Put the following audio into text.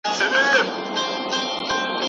چې یو مهال به د چا ګوتو په کې لارې ایستې